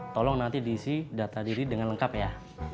tolong nanti diisi data diri dengan lengkap ya